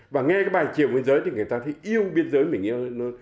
và nghe cái bài chiều biên giới thì người ta thấy yêu biên giới mình yêu hơn